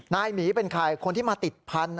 หมีเป็นใครคนที่มาติดพันธุ์